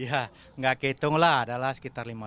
ya nggak kehitung lah adalah sekitar lima dusan